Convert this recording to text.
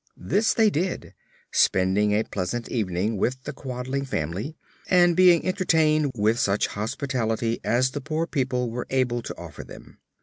This they did, spending a pleasant evening with the Quadling family and being entertained with such hospitality as the poor people were able to offer them.